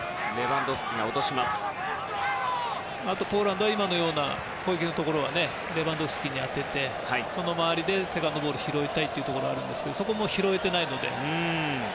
ポーランドは今のような攻撃のところはレバンドフスキに当ててその周りでセカンドボールを拾いたいんですがそこも拾えていないので。